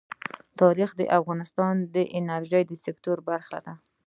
تاریخ د افغانستان د انرژۍ سکتور برخه ده.